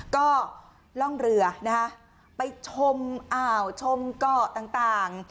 ก็ล่องเรือนะคะไปชมอ่าวชมเกาะต่าง